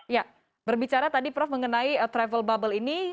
ya berbicara tadi prof mengenai travel bubble ini